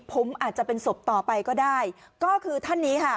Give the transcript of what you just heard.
ผมอาจจะเป็นศพต่อไปก็ได้ก็คือท่านนี้ค่ะ